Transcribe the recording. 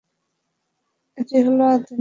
এটি হল আধুনিক ভূত্বকীয় পাত গঠনের পর্যায়।